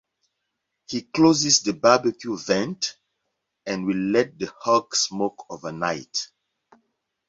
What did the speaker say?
He closes the barbecue vents and will let the hog smoke overnight.